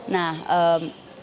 nah kita dapat satu